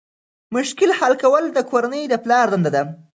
مشکل حل کول د کورنۍ د پلار دنده ده.